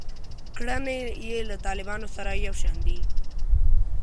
کړنې یې له طالبانو سره یو شان دي.